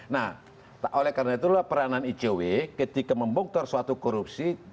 nah oleh karena itulah peranan icw ketika membongkar suatu korupsi